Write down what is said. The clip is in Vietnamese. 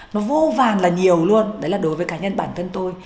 nó vô vàn là nhiều luôn đấy là đối với cá nhân bản thân tôi